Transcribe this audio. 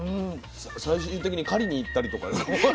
最終的に狩りに行ったりとか。